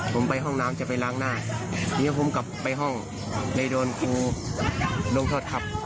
ผมไปห้องน้ำจะไปล้างหน้าเดี๋ยวผมกลับไปห้องเลยโดนกินลงโทษครับ